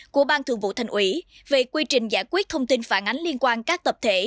của ban thường vụ thành ủy về quy trình giải quyết thông tin phản ánh liên quan các tập thể